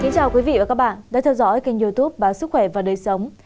chào các bạn đã theo dõi kênh youtube bản sức khỏe và đời sống